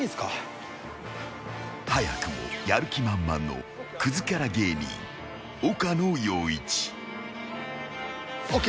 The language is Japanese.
［早くもやる気満々のくずキャラ芸人岡野陽一］ＯＫ。